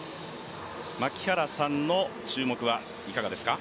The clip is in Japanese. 槙原さんの注目はいかがですか？